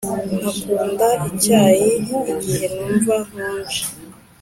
nkakunda icyayi igihe numva nkonje